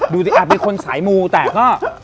ดูดิเป็นคนสายมูแต่ก็